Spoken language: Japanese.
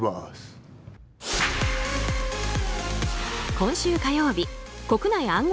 今週火曜日国内暗号